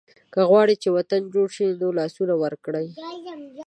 که غواړئ چې وطن جوړ شي نو لاسونه ورکړئ.